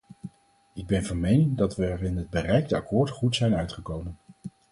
Ik ben van mening dat we er in het bereikte akkoord goed zijn uitgekomen.